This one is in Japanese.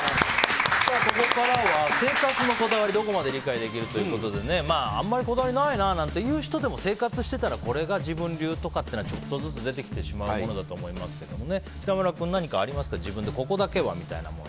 ここからは、生活のこだわりどこまで理解できる？ということであんまりこだわりないななんていう人も生活していたらこれが自分流っていうのはちょっとずつ出てきますけど北村君、何かありますか自分でここだけはみたいな。